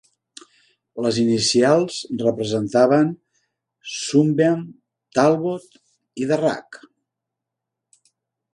Les inicials representaven Sunbeam, Talbot i Darracq.